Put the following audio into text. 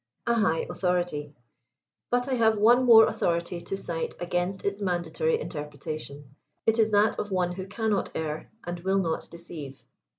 A HIGH AUTHORITY. But I have one more authority to cite against its mandatory interpretation. It is that of one who cannot err and will not deceive.